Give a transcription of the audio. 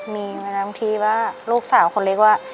มีไว้ตามที่ว่าลูกสาวคนเล็กว่า